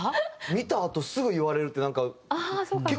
見たあとすぐ言われるってなんか。